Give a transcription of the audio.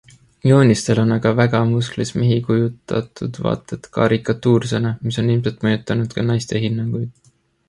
Joonistel on aga väga musklis mehi kujutatud vaat et karikatuursena, mis on ilmselt mõjutanud ka naiste hinnanguid.